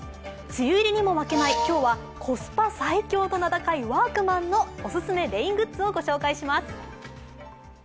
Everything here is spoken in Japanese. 梅雨入りにも負けない、今日はコスパ最強と名高いワークマンのおすすめレイングッズをご紹介します。